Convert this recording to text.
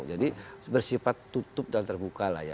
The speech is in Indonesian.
jadi bersifat tutup dan terbuka lah ya